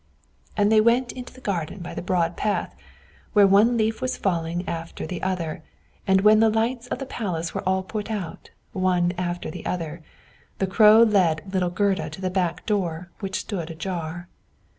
And they went into the garden by the broad path, where one leaf was falling after the other; and when the lights in the palace were all put out, one after the other, the Crow led little Gerda to the back door, which stood ajar.